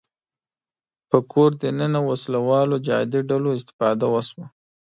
په کور دننه وسله والو جهادي ډلو استفاده وشوه